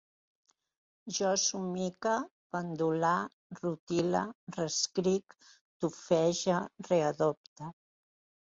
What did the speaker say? Jo somique, pendolar, rutile, reescric, tufege, readopte